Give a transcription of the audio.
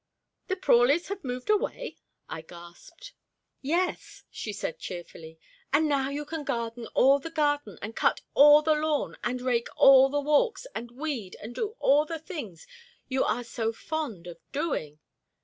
"The Prawleys have moved away?" I gasped. "Yes," she said cheerfully, "and now you can garden all the garden, and cut all the lawn and rake all the walks, and weed, and do all the things you are so fond of doing."